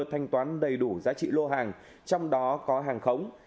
thanh toán đầy đủ giá trị lô hàng trong đó có hàng khống